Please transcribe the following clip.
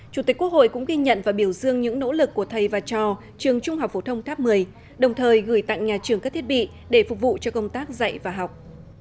chủ tịch quốc hội cũng ghi nhận và biểu dương những nỗ lực của thầy và trò trường trung học phổ thông tháp một mươi đồng thời gửi tặng nhà trường các thiết bị để phục vụ cho công tác dạy và học